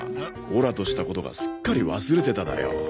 オラとしたことがすっかり忘れてただよ。